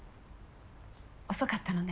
遅かったのね。